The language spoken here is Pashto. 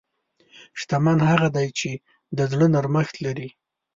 شتمن هغه دی چې د زړه نرمښت لري.